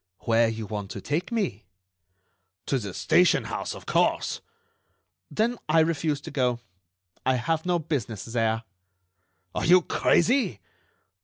"Where you want to take me." "To the station house, of course." "Then I refuse to go. I have no business there." "Are you crazy?"